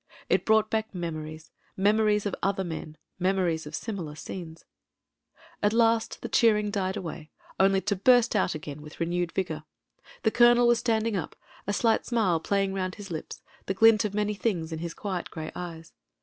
It brought back memories — ^memories of other men, memories of simi )ar scenes. ... "THE REGIMENT" 261 At last the cheering died away, only to burst out again with renewed vigonr. The colonel was standing up, a slight smile playing round his lips, the glint of many things in his quiet grey eyes.